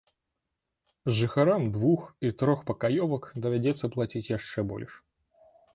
Жыхарам двух- і трохпакаёвак давядзецца плаціць яшчэ больш.